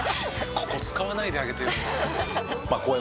ここ使わないであげてよ」